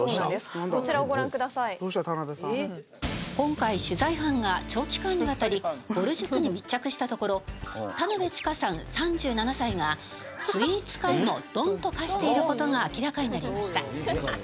今回取材班が長期間にわたりぼる塾に密着したところ田辺智加さん３７歳がスイーツ界のドンと化している事が明らかになりました。